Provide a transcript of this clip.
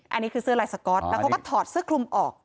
อันนี้คือเสื้อลายสก๊อตแล้วเขาก็ถอดเสื้อคลุมออก